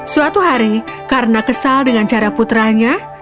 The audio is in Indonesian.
suatu hari karena kesal dengan cara putranya